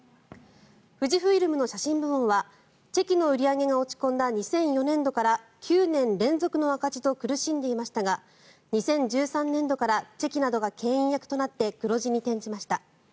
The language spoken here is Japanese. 富士フイルムの写真部門はチェキの売り上げが落ち込んだ２００４年度から９年連続の赤字と苦しんでいましたが２０１３年度からチェキなどがけん引役となって黒字に転じました。